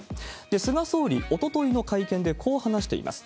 菅総理、おとといの会見でこう話しています。